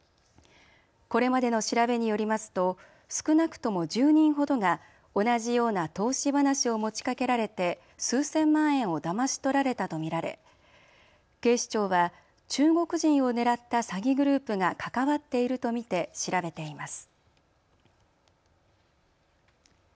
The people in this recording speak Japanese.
これまでの調べによりますと少なくとも１０人ほどが同じような投資話を持ちかけられて数千万円をだまし取られたと見られ警視庁は中国人を狙った詐欺グループが関わっていると見て調べています。